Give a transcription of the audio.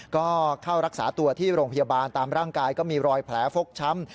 ก็เข้ารักษาตัวที่โรงพยาบาลตามร่างกายก็มีรอยแผลฟกช้ำ